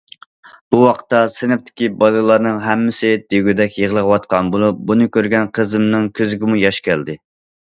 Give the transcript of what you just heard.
بۇ ۋاقىتتا سىنىپتىكى بالىلارنىڭ ھەممىسى دېگۈدەك يىغلاۋاتقان بولۇپ، بۇنى كۆرگەن قىزىمنىڭ كۆزىگىمۇ ياش كەلدى.